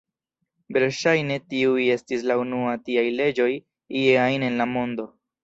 Verŝajne, tiuj estis la unua tiaj leĝoj ie ajn en la mondo.